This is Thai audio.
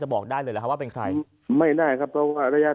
บอกได้เลยแหละครับว่าเป็นใครไม่ได้ครับเพราะว่าระยะ